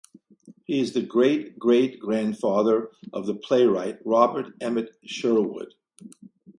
He is the great-great-grandfather of the playwright Robert Emmet Sherwood.